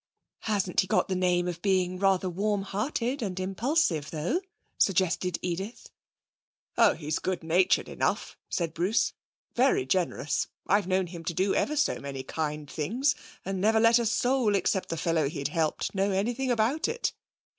'Hasn't he got the name of being rather warm hearted and impulsive, though?' suggested Edith. 'Oh, he's good natured enough,' said Bruce. 'Very generous. I've known him to do ever so many kind things and never let a soul except the fellow he'd helped know anything about it.'